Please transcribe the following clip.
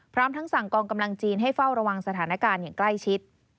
พร้อมทั้งสั่งกองกำลังจีนให้เฝ้าระวังสถานการณ์อย่างใกล้ชิด